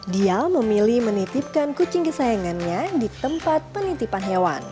dia memilih menitipkan kucing kesayangannya di tempat penitipan hewan